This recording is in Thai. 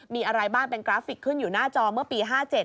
มีอะไรบ้างเป็นกราฟิกขึ้นอยู่หน้าจอเมื่อปี๕๗